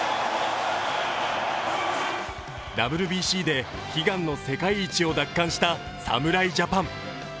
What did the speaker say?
ＷＢＣで悲願の世界一を奪還した侍ジャパン。